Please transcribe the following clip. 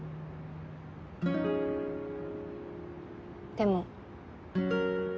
でも。